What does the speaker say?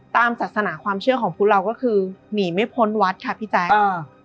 ตามศาสนาความเชื่อของพวกเราก็คือหนีไม่พ้นวัดค่ะพี่แจ๊คอ่า